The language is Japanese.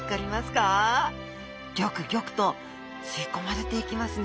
ギョクギョクと吸い込まれていきますね